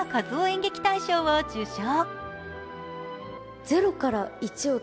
演劇大賞を受賞。